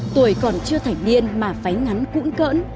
tuổi còn chưa thành niên mà váy ngắn cũng cỡn